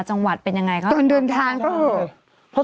แต่มุนจังหวัดเป็นยังไงตอนเดินทางก็ดูมนตราการแทน